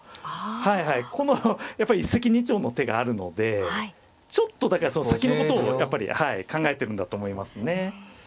はいはいこのやっぱり一石二鳥の手があるのでちょっと先のことをやっぱり考えてるんだと思いますね。